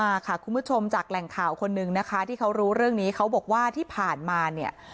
มาค่ะคุณผู้ชมจากแหล่งข่าวคนนึงนะคะที่เขารู้เรื่องนี้เขาบอกว่าที่ผ่านมาเนี่ย